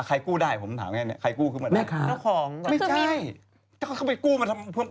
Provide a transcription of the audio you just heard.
อ่ะใครกู้ได้ผมถามอย่างนี้ใครกู้ขึ้นมาได้ไม่ใช่